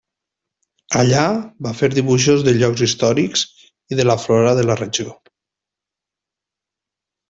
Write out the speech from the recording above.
Allà va fer dibuixos de llocs històrics i de la flora de la regió.